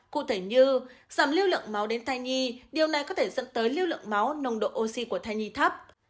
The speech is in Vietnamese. cụ thể như giảm lưu lượng máu đến thai nhi điều này có thể dẫn tới lưu lượng máu nồng độ oxy của thai nhi thấp